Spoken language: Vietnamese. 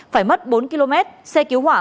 phải mất bốn km xe cứu hỏa